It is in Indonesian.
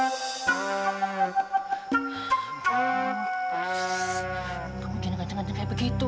gak mungkin nganjeng nganjeng kayak begitu